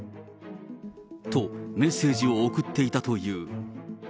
と、メッセージを送っていたという。